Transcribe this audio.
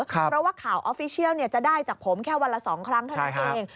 เพราะว่าข่าวออฟฟิเชียลจะได้จากผมแค่วันละ๒ครั้งเท่านั้นเอง